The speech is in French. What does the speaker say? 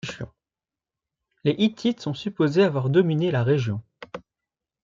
Les Hittites sont supposés avoir dominé la région.